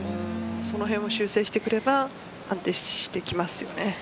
その辺も修正してくれば安定してきますよね。